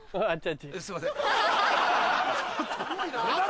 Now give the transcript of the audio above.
すいません。